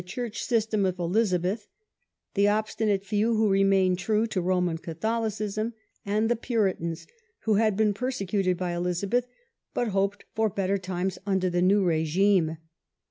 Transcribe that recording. Church system of Elizabeth; the obstinate few who remained true to Roman Catholicism ; and the Puritans, who had been persecuted by Elizabeth, but hoped for better times under the new regime.